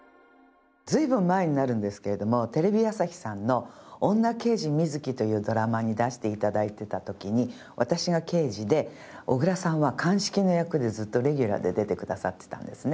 随分前になるんですけれどもテレビ朝日さんの『女刑事みずき』というドラマに出して頂いてた時に私が刑事で小倉さんは鑑識の役でずっとレギュラーで出てくださってたんですね。